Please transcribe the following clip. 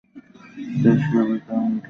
তেজস্ক্রিয় বিকিরণ ঘটেছে অথবা ঘটেনি।